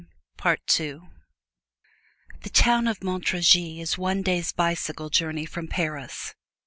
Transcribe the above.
The town of Montargis is one day's bicycle journey from Paris.